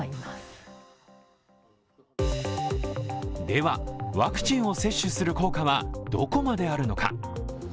では、ワクチンを接種する効果は、どこまであるのか。